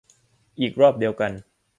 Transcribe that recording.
อีหรอบเดียวกัน